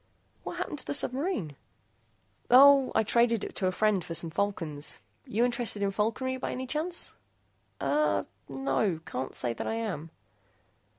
"What happened to the submarine?" "Oh, I traded it to a friend for some falcons. You interested in falconry by any chance?" "Er, no. Can't say that I am."